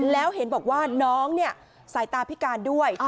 แล้วเห็นบอกว่าน้องเนี่ยสายตาพิการด้วย